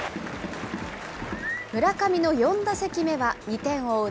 村上の４打席目は、２点を追う